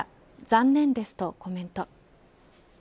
残念です、とコメント。